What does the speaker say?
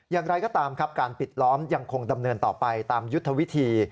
อย่างไรก็ตามครับการปิดล้อมยังคงดำเนินต่อไปตามยุทธวิธี